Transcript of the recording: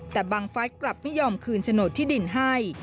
แต่บังฟัสกลับไม่ยอมคืนโฉนดที่ดินให้